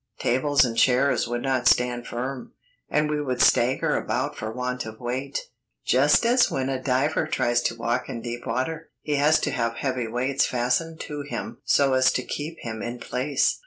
Tables and chairs would not stand firm, and we would stagger about for want of weight, just as when a diver tries to walk in deep water. He has to have heavy weights fastened to him so as to keep him in place.